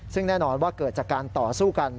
ซึ่งแน่นอนว่าเกิดจากการต่อสู้กัน